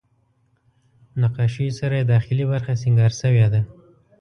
نقاشیو سره یې داخلي برخه سینګار شوې ده.